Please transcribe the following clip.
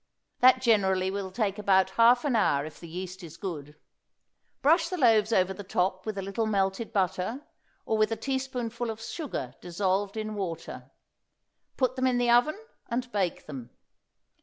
That generally will take about half an hour if the yeast is good. Brush the loaves over the top with a little melted butter, or with a teaspoonful of sugar dissolved in water. Put them in the oven and bake them.